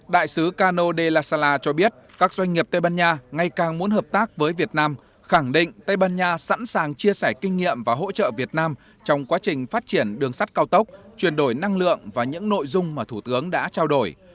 đại sứ cano del las sala cho biết các doanh nghiệp tây ban nha ngày càng muốn hợp tác với việt nam khẳng định tây ban nha sẵn sàng chia sẻ kinh nghiệm và hỗ trợ việt nam trong quá trình phát triển đường sắt cao tốc chuyển đổi năng lượng và những nội dung mà thủ tướng đã trao đổi